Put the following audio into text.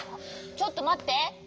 ちょっとまって。